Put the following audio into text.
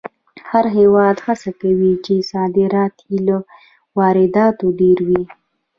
هر هېواد هڅه کوي چې صادرات یې له وارداتو ډېر وي.